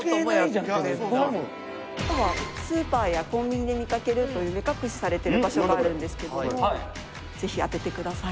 ではスーパーやコンビニで見かけるという目隠しされてる場所があるんですけどもぜひ当ててください。